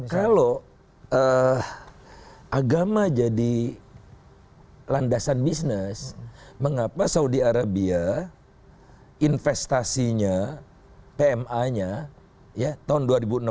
kalau agama jadi landasan bisnis mengapa saudi arabia investasinya pma nya tahun dua ribu enam belas